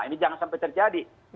ini jangan sampai terjadi